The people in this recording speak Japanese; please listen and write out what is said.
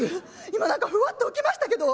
今何かふわっと浮きましたけど。